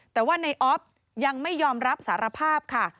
แต่ว่าในออฟยังไม่ยอมรับสารภาพค่ะ